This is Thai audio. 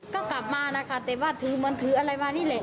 ก็กลับมานะครับเตะวัดถือมนต์ถืออะไรมานี่แหละ